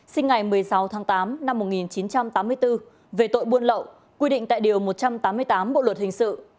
sinh ngày một mươi sáu tháng tám năm một nghìn chín trăm tám mươi bốn về tội buôn lậu quy định tại điều một trăm tám mươi tám bộ luật hình sự